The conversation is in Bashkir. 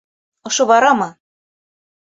Ошо барамы?